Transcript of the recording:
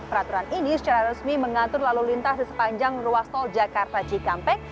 peraturan ini secara resmi mengatur lalu lintas di sepanjang ruas tol jakarta cikampek